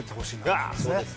そうですね。